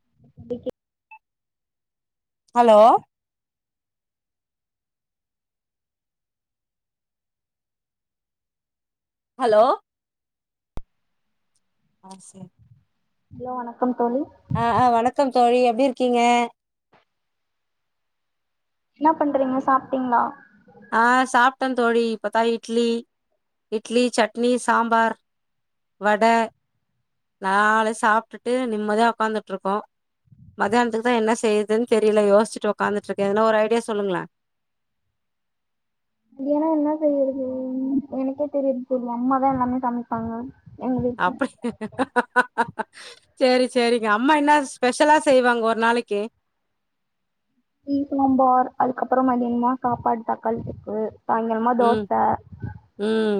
[unintelligible] Hello hello hello வணக்கம் தோழி ஆஹ் ஆஹ் வணக்கம் தோழி எப் எப்டி இருக்கீங்க என்ன பண்றீங்க சாப்டீங்களா ஆஹ் சாப்டே தோழி இப்பத்தா இட்லி இட்லி சட்னி சாம்பார் வட நாலு சாப்பிட்டுட்டு நிம்மதியா உக்காந்துட்டு இருக்கோ மத்தியானத்துக்கு தா என்ன செய்யரதுன்னு தெரியல யோசிச்சுட்டு உக்காந்துட்டு இருக்கே எதுனா ஒரு ஐடியா சொல்லுங்களே இல்லனா என்ன செய்யறது ம் எனக்கே தெரியாது தோழி அம்மாதா எல்லாமே சமைப்பாங்க எங்க வீட்ல அப்டி செரி செரிங்க அம்மா என்ன ஸ்பெஷலா செய்வாங்க ஒரு நாளைக்கி [unintelligible] சாம்பார் அதுக்கப்புற மதியானமா சாப்பாடு தக்காளித் தொக்கு சாயங்காலமா ம் தோச ம்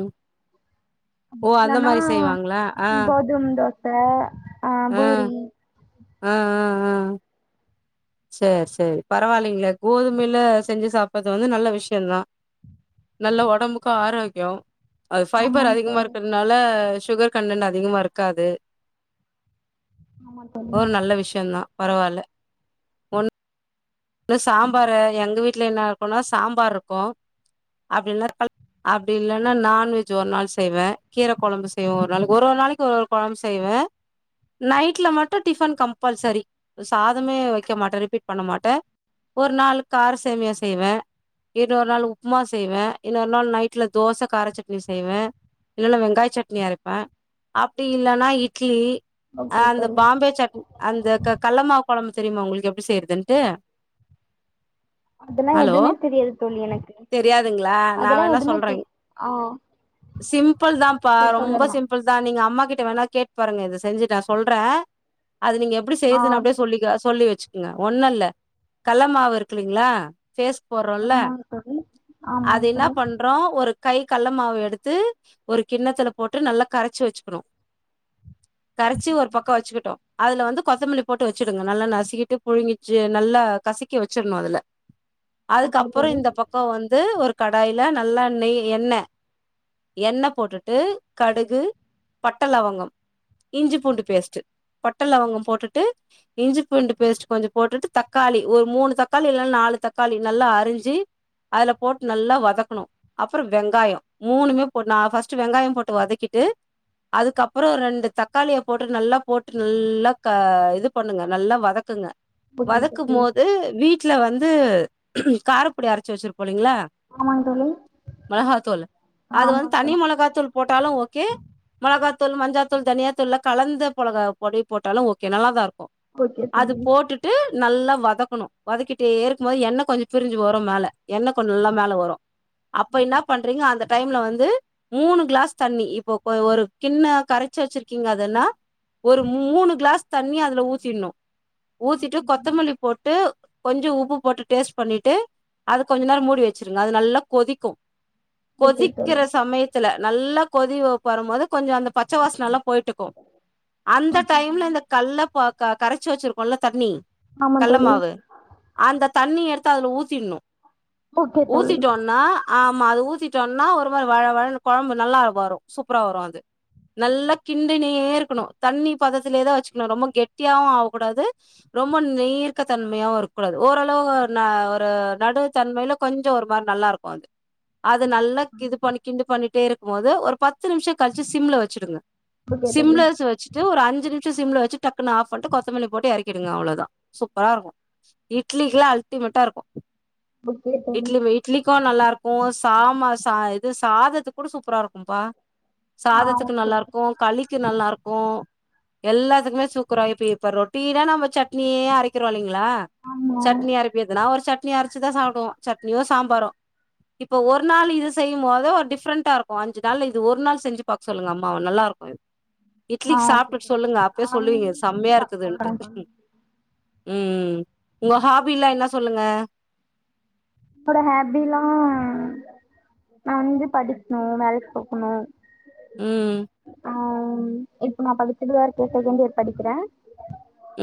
ஓ அந்த இல்லன்னா மாதிரி செய்வாங்களா ஆஹ் கோதும தோச ஆ ஆஹ் பூரி ஆஹ் ஆஹ் ஆஹ் செரி செரி பரவாயில்லைங்களே கோதுமையில செஞ்சு சாப்பது வந்து நல்ல விஷய தா நல்ல ஒடம்புக்கு ஆரோக்கியோ அது ஃபைபர் ஆமாங் அதிகமா தோழி இருக்கிறதுனால சுகர் கண்டென்ட் அதிகமா இருக்காது ஆமா தோழி ஒரு நல்ல விஷியந்தா பரவால்ல ஒன் இந்த சாம்பார எங்க வீட்டுல என்ன இருக்கும்னா சாம்பார் இருக்கு [unintelligible] அப்டில்லன்னா நான்வெஜ் ஒரு நாள் செய்வே கீரை கொழம்பு செய்வே ஒரு நாளைக்கு ஒரு ஒரு நாளைக்கு ஒரு ஒரு கொழம்பு செய்வே நைட்ல மட்டு டிஃபன் கம்பல்சரி சாதமே வைக்க மாட்டேன் ரிப்பீட் பண்ண மாட்டே ஒரு நாள் கார சேமியா செய்வே இன்னொரு நாள் உப்மா செய்வே இன்னொரு நாள் நைட்ல தோச கார சட்னி செய்வே இல்லனா வெங்காய சட்னி அரைப்பே அப்டி இல்லன்னா இட்லி அ ஓகே அந்த தோழி பாம்பே சட்னி அந்த க கல்ல மாவு கொழம்பு தெரியமா உங்களுக்கு எப்டி செய்யறதுன்ட்டு அதெல்லா ஹலோ எதுவுமே தெரியாது தோழி எனக்கு தெரியாதுங்களா நா அதெல்லா வேண எதுவுமே சொல்றே தெ ஆ சிம்பிள் தான்ப்பா சரி ரொம்ப சொல்லுங்க சிம்பிள் தா நீங்க அம்மா கிட்ட வேணா கேட்டு பாருங்க இத செஞ்சுட்டு நா சொல்றே அது நீங்க எப்டி ஆ செய்றதுன்னு அப்டியே சொல்லி சொல்லி வை ங்க ஒண்ணுல்ல கல்ல மாவு இருக்குலீங்களா ஃபேஸ் போடுறோல்ல ஆமாங்க தோழி அது ஆமாங் என்ன தோழி பண்றோ ஒரு கை கல்ல மாவு எடுத்து ஒரு கிண்ணத்துல போட்டு நல்லா கரைச்சு வச்சுக்கணு கரச்சி ஒரு பக்கோ வெச்சுக்கிட்டோ அதுல வந்து கொத்தமல்லி போட்டு வச்சுடுங்க நல்லா நசிக்கிட்டு புழுங்கிச்சு நல்லா கசக்கி வெச்சிடணு அதுல ஓகே அதுக்கப்புறோ தோழி இந்த பக்கோ வந் து ஒரு கடாயில நல்லெண்ணெய் எண்ணெ எண்ணெ போட்டுட்டு கடுகு பட்ட லவங்கம் இஞ்சி பூண்டு பேஸ்ட்டு பட்ட லவங்கம் போட்டுட்டு இஞ்சி பூண்டு பேஸ்ட் கொஞ்சோ போட்டுட்டு தக்காளி ஒரு மூணு தக்காளி இல்லைன்னா நாலு தக்காளி நல்லா அறிஞ்சி அதுல போட்டு நல்லா வதக்கணு அப்றோ வெங்காயோ மூணுமே போட் நா ஃபர்ஸ்ட்டு வெங்காயோ போட்டு வதக்கிட்டு அதுக்கப்றோ ரெண்டு தக்காளிய போட்டுடு நல்லா போட்டு நல்லா கா இது பண்ணுங்க நல்லா வதக்குங்க ஓகே தோழி வதக்கும்போது வீட் ல வந்து காரப்பொடி அரைச்சு வெச்சிருப்போ போலிங்ளா ஆமாங் தோழி மெளகாத்தூள் அது வந்து ஆமாங் தனி தோழி மொளகாத்தூள் போட்டாலு ஓகே மொளகாத் தூள் மஞ்சத்தூள் தனியாத்தூள்ல கலந்த பொலகா பொடி போட்டாலு ஓகே நல்லாதா இருக் ஓகே தோழி டு நல்லா வதக்கணு வதக்கிட்டே இருக்கும் போது எண்ணெ கொஞ்சோ பிரிஞ்சி வரு மேல எண்ணெ கொஞ்சோ நல்லா மேல வரு அப்ப இன்னா பண்றிங்க அந்த டைம்ல வந் து மூணு கிளாஸ் தண்ணி இப்போ கோ ஒரு கிண்ண கரைச்சு வெச்சிருக்கிங்க அதுன்னா ஒரு மூணு கிளாஸ் தண்ணிய அதுல ஊத்திட்ணு ஊத்திட்டு ஓகே தோழி கொத்தமல்லி போட்டு கொஞ்சோ உப்பு போட்டு டேஸ்ட் பண்ணிட்டு அது கொஞ்ச நேரோ மூடி வெச்சிருங்க அது நல்லா கொதிக்கோ ஓகே தோழி கொதிக்கிற ஓகே தோழி சமயத்துல நல்லா கொதி வ வரும்போது கொஞ்சோ அந்த பச்ச வாசனல்லா போயிட்டுக்கு அந்த டைம்ல இந்த கல்ல பா கா கரச்சு வெச்சிரு கொள்ல தண்ணி ஆமா கள்ள தோழி மாவு அந்த தண்ணி எடுத் து அதுல ஊத்திட்னு ஓகே தோழி ஊதிட்டோனா ஆ ம அத ஊத்திட்டோன்னா ஒரு மாரி வழ வழனு கொழம்பு நல்லா வரு சூப்பரா வரு அது நல்லா கிண்டினே இருக்கணு தண்ணி பதத்திலேயே தா வெச்சுக்கணு ரொம்ப கெட்டியவு ஆவக்கூடாது ரொம்ப நீர்க்க தன்மையாவோ இருக்கூடாது ஓரளவு நா ஒரு நடு தன்மையில கொஞ்சோ ஒரு மாரி நல்லா இருக்கோ அது அத நல்லா கிது பண்ணி கிண்டு பண்ணிட் டே இருக்குபோது ஒரு பத்து நிமிஷோ கழிச்சு சிம்ல வெச்சிடுங்க ஓகே தோழி சிம்லர்ஸ்ல வெச்சுட்டு ஒரு அஞ்சு சி சிம்ல வெச்சி டக்குனு ஆஃப்ட்டு கொத்தமல்லி போட்டு ஏற கிடுங்க அவ்வளோதா சூப்பரா இருக்கோ இட்லிக்குலா அல்டிமேட்டா இருக்கோ ஓகே தோழி இட்லி இட்லிகோ நல்லார் கோ சாமா ச இது சாதத்து கூட சூப்பரா இருக்கும்பா ஆ சாதத்துக்கு ஓகே நல்லா இருக்கும் களி இட்லி நல்லா இருக்கும் எல்லாத்துக்குமே சூக்கரம்கிப்பய் இப்ப ரொட்டி நம்ம சட்னியே அரைக்கறோம் இல்லைங்களா லா ஆமா சட்னி அரைப்பியதுன்னா ஒரு சட்னி அரைச்சுதா சாப்பிடுவே சட்னியோ சாம்பாரோ இப்போ ஒரு நாள் இது செய்யும்போது ஒரு டிஃப்ரெண்டா இருக்கு அஞ்சு நாள் இது ஒரு நாள் செஞ்சு பாக்க சொல்லுங்க அம்மாவ நல்லா இருக்கு இது இட்லிக்கு ஆ ஓகே சாப்பிட்டுட்டு தோழி சொல்லுங்க அப்பே ஆ சொல்லுவீங்க நீங்க செஞ்சு செம்மையா பாக்க இருக்குதுன்ட்டு. சொல்றே தோழி கே உம் உம் உங்க ஹாபி எல்லா என்ன சொல்லுங்க. அப்புற ஹேபி எல்லாம் நான் வந்து படிக்கணும் வேலைக்கு போக்கணும். உம். ஆஹ இப்ப நா படிச்சிட்டுதா இருக்க செகண்ட் இயர் படிக்கிற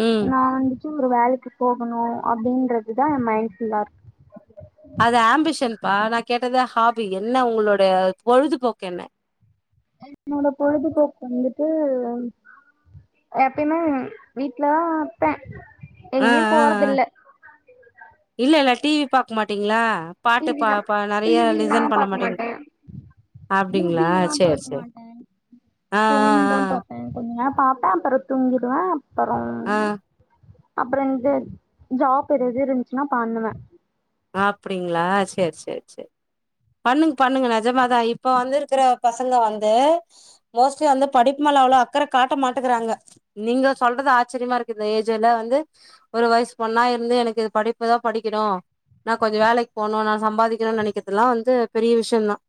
ம் நான் வந்துட் [unintelligible] வேலைக்கு போகணும் அப்படின்றதுதான் மைண்ட் ஃபுல்லா இருக்கு. அப்ப நா கேட்டதுதா ஹாபி என்ன உங்களோட பொழுதுபோக்கு என்ன. என்னோட பொழுதுபோக்கு வந்துட்டு எப்பயுமே வீட்லதா இப்பே. ஆ எங்கயும் ஆ போறதில்ல. டி வி பாக்க மாட்டீங்களா. டி பாட்டு பா விலா பா டி நெறைய வி ல லிசன் பண்ண பார்க்க மாட்டீங் மாட்டே அப்டிங்களா மூவல்லா சேரி பார்க்க சேரி மாட்டேன் ஆ ஆ போன்தா பாப்பேன் கொஞ்ச நேரம் பாப்பேன் அப்புறம் தூங்கிடுவேன் அப்புறம் ஆ அப்புறம் இந்த ஜாப் ஏதாவது இருந்துச்சுன்னா பண்ணுவே. அப்படிங்களா சரி சரி சரி. பண்ணுங்க பண்ணுங்க நிஜமாதா இப்ப வந்து இருக்கிற பசங்க வந்து மோஸ்ட்லி வந்து படிப்பு மேல அவ்ளவு அக்கறை காட்ட மாட்டேக்குறாங்க நீங்க சொல்றது ஆச்சரியமா இருக்கு இந்த ஏஜ்ல வந்து ஒரு வயசு பொண்ணா இருந்து எனக்கு இது படிப்புதான் படிக்கணும் நான் கொஞ்சம் வேலைக்கு போகணும் நான் சம்பாதிக்கணும்னு நினைக்கிறதுல்லாம் வந் து பெரிய விஷயம் தான்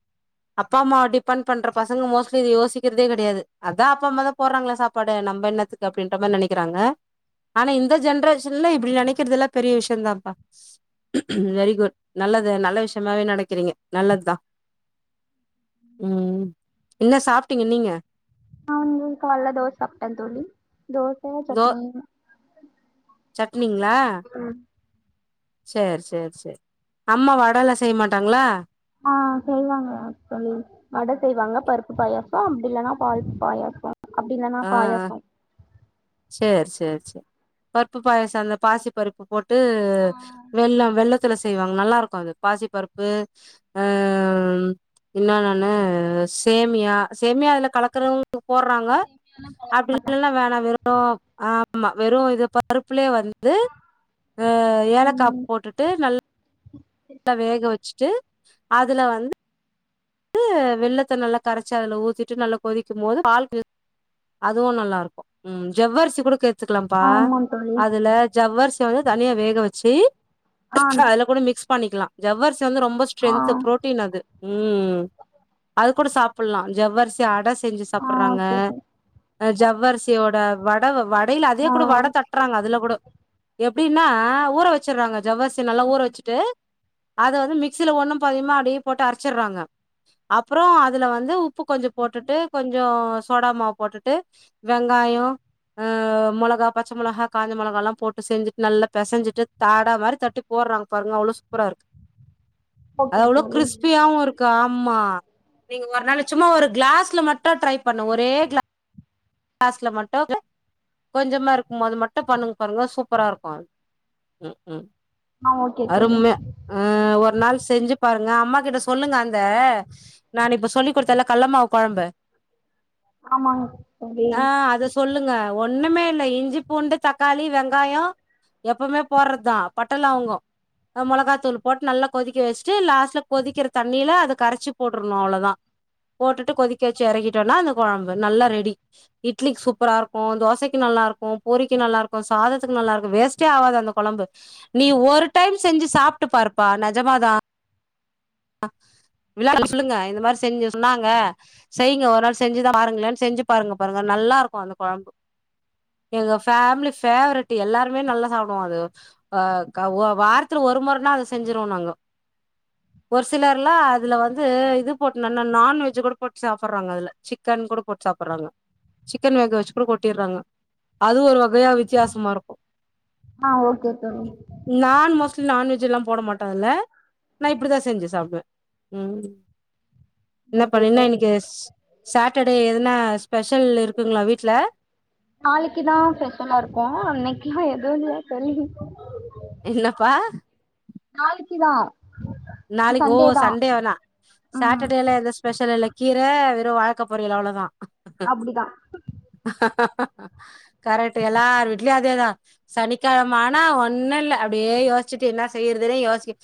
அப்பா அம்மாவை டிபெண்ட் பண்ற பசங்க மோஸ்ட்லி இது யோசிக்கிறதே கிடையாது அதான் அப்பா அம்மாதான் போடுறாங்களே சாப்பாடு நம்ம என்னத்துக்கு அப்படின்ற மாதிரி நினைக்கிறாங்க ஆனா இந்த ஜென்ரேஷன்ல இப்படி நினைக்கிறது எல்லாம் பெரிய விஷயம் தான்ப்பா வெரி குட் நல்லது நல்ல விஷயமாவே நனைக்கிறீங்க. நல்லதுதா உம் என்ன சாப்பிட்டீங்க நீங்க நான் வந்து கால்ல தோச சாப்பிட்டேன் தோழி. தோச தோ சட்னி. [unintelligible] சட்னிங்களா சரி சரி சரி அம்மா வட எல்லா செய்ய மாட்டாங்களா ஆஹ் செய்வாங்க தோழி வட செய்வாங்க பருப்பு பாயாசோ அப்படி இல்லைனா பால் பாயாசோ அப்படி இல்லனா பாயாசோ சரி சரி சரி பருப்பு பாயசம் அந்த பாசி பருப்பு போட்டு வெள்ளம் வெள்ள ளத்த செய்வாங்க நல்லா இருக்கும் அது பாசி பருப்பு ஆ ம்ம் ன்னனு சேமியா சேமியா அதுல கலக்குறவங்க போடற ஆப்சன் மாட்டாங்க அப்படில்லாம் வேணாம் வெறும் ஆஹ் ஆமா வெறும் இத பருப் ள்ளயே வந்து எ ஏலக்கா ம் போட்டுட்டு நல் நல்ல வேக வச்சுட்டு அதுல வந்து வெல்லத்த நல்லா கரைச்சி அதுல ஊத்திட்டு நல்லா கொதிக்கும் போது பால் அதுவு நல்லாருக்கு ஜவ்வரிசி கூட வெச்சுக்லாம்ப்பா ஆமா தோழி அதுல ஜவ்வரிசிய வந்து தனியா வேக வெச்சு ஆ அதுல கூட மிக்ஸ் பண்ணிக்லா ஜவ்வரிசி வந்து ரொம்ப ஆ ஸ்ட்ரென்த்து ப்ரோட்டீன் அது ம் அது கூட சாப்பல்லா ஜவ்வரிசி அட செஞ்சு ஆ சாப்பட்றாங்க ஓகே தோழி அ ஜவ்வரிசியோட வட வ கடைல அதே ஆ கூட வட தட்றாங்க அதுல கூட எ எப்டீனா ஊற வெச்சட்றாங்க ஜவ்வரிசி நல்லா ஊற வெச்சுட்டு அத வந்து மிக்சில ஒண்ணும் பாதிமா அப்டி போட்டு அரச்சட்றாங்க அப்றோ அதுல வந்து உ ப்பு கொஞ்சோ போட்டுட்டு கொஞ்சோ சோடா மாவ் போட்டுட்டு வெங்காயோ அ மொளகா பச்ச மொளகா காஞ்ச மொளகால்லா போட்டு செஞ்சுட்டு நல்லா பெசஞ்சிட்டு தாடா மாதிரி தட்டி போட்றாங்க பாருங்க அவ்ளோ சூப்பரா இருக்கு ஓகே அவ்ளோ தோழி க்றிஸ்ப்பியாவு இருக் கு ஆமா நீங்க ஒரு நாளு சும்மா ஒரு க்ளாஸ்ல மட்டு ட்ரை பண்ணு ஒரே க்ளா ஸ்ல மட்டு கொஞ்சமா இருக்குமோது மட்டு பண்ணுங் பாருங்க சூப்பராருக்கு ம் ம் ம் ஆ ஓகே தோழி அருமையா அ ஒரு நாள் செஞ்சு பாரு அ அம்மா கிட்ட சொல்லுங்க அந்த நான் இப்ப சொல்லி குடுத்தேல்ல கல்லமாவு கொழம்பு ஆமாங் ஆ அத சொல்லுங்க ஒண்ணுமே இல்ல இஞ்சி பூண்டு தக்காளி வெங்காயம் எப்பவுமே போட்ற தா பட்டலவங்கம் மொளகாத்தூள் போட்டு நல்லா கொதிக்க வெச்சுட்டு லாஸ்ட்ல கொதிக்கிற தண்ணில அது கரைச்சி போட்றணு அவ்ளோதா போட்டுட் டு கொதிக்க வச்சு எறக்கிட்டோனா அந்த கொழம் நல்லா ரெடி இட்லிக்கு சூப்பரா இருக்கு தோசைக்கு நல்லாருக்கு பூரிக்கு நல்லாருக்கு சாதத்துக்கு நல்லாருக்கு வேஸ்ட்டே ஆவாது அந்த கொழம்பு நீ ஒரு டைம் செஞ்சு சாப்ட்டு பாருப்பா நெஜமாதா [inaudible] சொல்லுங்க இந்த மாறி செஞ்சு சொன்னாங்க செய்ங்க ஒரு நாள் செஞ்சுதா பாருங்களேனு செஞ்சு பாருங்க பாருங்க நல்லாருக்கு அந்த கொழம்பு எங்க ஃபேமிலி பேவரட் எல்லாருமே நல்லா சாப்டுவோ அது அ க வாரத்துல ஒரு முறைனா அது செஞ்சிருவோ நாங்க ஒரு சிலர்லா அதுல வந்து இது போட்டு அ நான்வெஜ் கூட போட்டு சாப்ட்றாங்க அதுல சிக்கன் கூட போட்டு சாப் றாங்க சிக்கன் வேக வெச்சு கூட கொட்டிட்றாங்க அது ஒரு வகையா ஓகே தோழி. வித்தியாசமாருக்கு ஆ ஓகே தோழி நான் மோஸ்ட்லி நான்வெஜ்ல்லா போட மாட்டே அதுல நா இப்படிதா செஞ்சே சாப்டுவே உம் என்ன ஓகே பண்ணின்னா தோழி இன்னைக்கு சாட்டர்டே எதுனா ஸ்பெஷல் இருக்குங்களா வீட்ல நாளைக்குதா ஸ்பெஷலா இருக்கு இன்னைக்கில்லா [unintelligible] என்னப்பா நாளிக்கிதா நாளிக்கு ஓ சண்டேவனா ம் சாட்டெடேர்லே எதா ஸ்பெஷலில்லைக் கீர வெரும் வாழக்கா பொரியல் அவ்ளோதா அப்டிதா கரேட்டு எல்லார் விட்லுயு அதேதா சனிக்கெழம ஆனா ஒன்னு இல்ல அப்டடயே யோச்சிட்டு என்ன செய்யற்துனு யோசிக்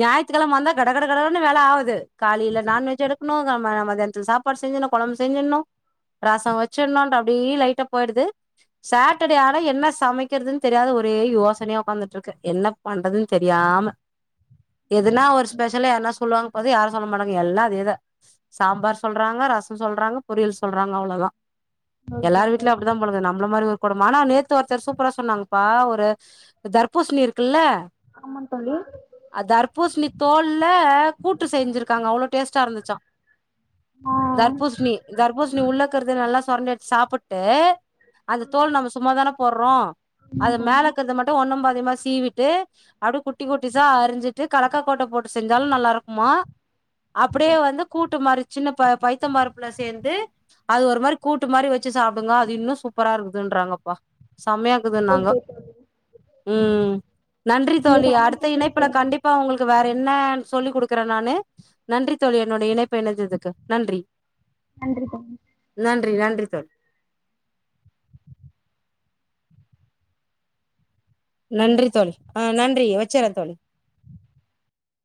ஞாயித் துகெழம வந்தா கட கட கடோவ்ன்னு வேல ஆவுது காலில நான்வெஜ் எடுக்ணு நம்ம மதியான்த்து சாப்பாட் செஞ்சிண கொழம் செஞ்சின்னு ரசொ வச்சிர்ன்ன்ற அப்டீ லைட்டா போய்டுது சாட்டடே ஆனா என்னெ சமைக்கிற்துன் தெரியா ஒரே யோசனியா உட்காந்துட்டுருக்கெ என்னப் பண்றதுன் தெரியாம எதுனா ஒர் ஸ்பெஷலு யார்னா சொல்வாங் ப்பொது யாரு சொல்ல மாட்டாங் எல்லா அதேதா சாம்பார் சொல்றாங்க ரசொ சொல்றாங்க பொரியல் சொல்றாங்க அவ்ளொதா ஓகே எல்லார் வீட்லியு தோழி அப்டிதா போலக்கு நம்ள மாரி ஒர் கொடும் ஆனா நேத்து ஒர்த்தர் சூப்புரா சொன்னாங்ப்பா ஒர் ல தர்பூஸ்ணி இருக்குல்ல ஆமாந் தோழி பூஸ்னி தோல்ல கூட்டு செஞ்சிருக்காங்க அவ்ளோ டேஸ்ட்டா இருந்துச்சா ஆ தர்பூஸ்ணி தர்பூஸ்ணி உள்ளக்குறது நல்லா ச ரண்டெட்த்து சாப்புட்டு அது தோல் நம்ம சும்மாதான போர்றோ ஆமா அத தோழி மேலக்குறத மட்டு ஒண்ணும் பா திமா சீவிட்டு அப்டே குட்டிக் குட்டிசா அரிஞ்சிட் டு கலக்கா கொட்ட போட்டு செஞ்சாலு நல்லாருக்குமா அப்டே ஓகே தோழி வந்து கூட்டு மாரி சின்ன ப பைத்தம் பருப்புல சேந்து அது ஒர் மாரி கூட்டு மாரி வெச்சி சாப்டுங்கோ அது இன்னு சூப்பரா இர்க்குதுன்ட்றாங்கப்பா சம்மையாக்கிதுன்னாங்கோ ஓகே தோழி. ம் நன்றி நீங்க தோழி அடுத்த சமச்சிட்டு இணைப்புல சொல்லுங்க கண்டிப் உங்குள்க்கு வேற என்னன் சொல்லி குடுக்குற நானு நன்றி தோழி என்னோடைய இணைப்பு இணஞ்சதுக்கு நன்றி நன்றி தோழி நன்றி நன்றி தோ நன்றி தோழி ஆ நன்றி வச்சிர்ற தோழி